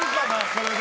それで。